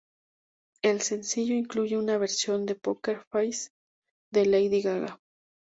El sencillo incluye una versión de "Poker Face" de Lady Gaga.